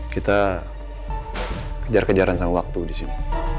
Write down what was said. kita kejar kejaran sama waktu disini